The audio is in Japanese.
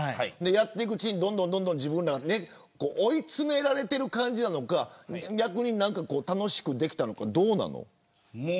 やっていくうちにどんどん追い詰められていく感じなのか逆に楽しくできたのかどうなの。